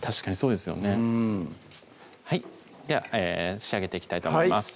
うんでは仕上げていきたいと思います